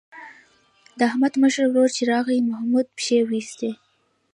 د احمد مشر ورور چې راغی محمود پښې وایستلې.